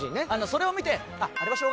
それを見て。